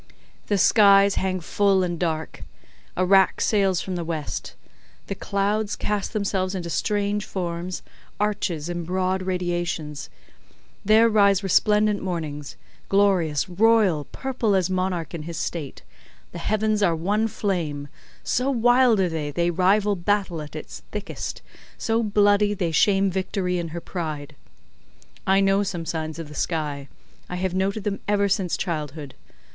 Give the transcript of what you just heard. The skies hang full and dark—a wrack sails from the west; the clouds cast themselves into strange forms—arches and broad radiations; there rise resplendent mornings—glorious, royal, purple as monarch in his state; the heavens are one flame; so wild are they, they rival battle at its thickest—so bloody, they shame Victory in her pride. I know some signs of the sky; I have noted them ever since childhood.